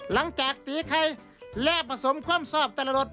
หลังจากตีไข่และผสมความสอบตลอด